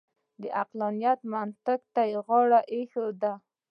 د عقلانیت منطق ته غاړه اېښې ده.